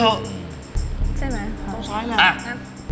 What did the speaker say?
ต้องใช้ดาว